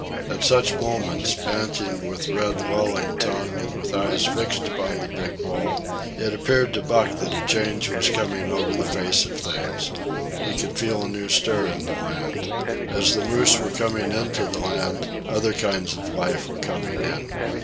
At such moments, panting with red lolling tongue and with eyes fixed upon the big bull, it appeared to Buck that a change was coming over the face of things. He could feel a new stir in the land. As the moose were coming into the land, other kinds of life were coming in.